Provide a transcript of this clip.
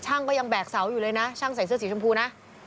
ก็ยังแบกเสาอยู่เลยนะช่างใส่เสื้อสีชมพูนะ